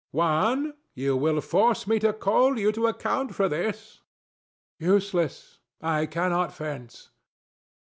THE STATUE. Juan: you will force me to call you to account for this. DON JUAN. Useless: I cannot fence.